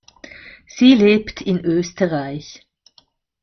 Sie lebt in Österreich.